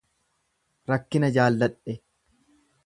Rakkina jaalladhe